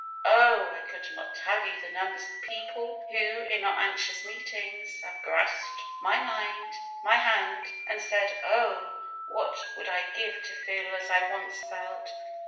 Oh! I could not tell you the numbers of people, who, in our anxious meetings, have grasped my hand, and said, "Oh! what would I give to feel as I once felt!